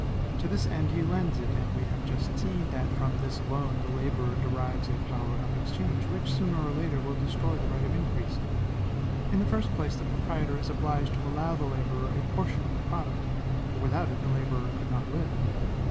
To this end he lends it; and we have just seen that from this loan the laborer derives a power of exchange, which sooner or later will destroy the right of increase. In the first place, the proprietor is obliged to allow the laborer a portion of the product, for without it the laborer could not live.